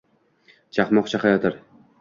Chaqmoq chaqayotir